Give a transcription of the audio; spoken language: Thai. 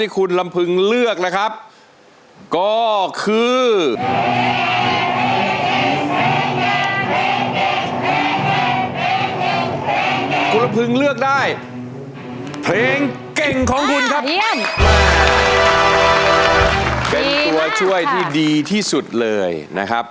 คุณลำพึงเลือกได้เพลงเก่งของคุณครับเป็นตัวช่วยที่ดีที่สุดเลยนะครับ